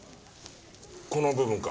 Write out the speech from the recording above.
この部分か？